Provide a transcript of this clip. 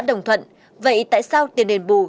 đồng thuận vậy tại sao tiền đền bù